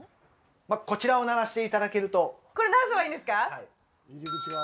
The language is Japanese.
こちらを鳴らしていただけるとこれ、鳴らせばいいんですか？